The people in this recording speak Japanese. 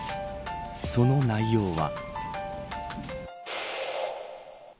その内容は。